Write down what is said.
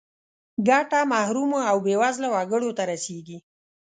ګټه محرومو او بې وزله وګړو ته رسیږي.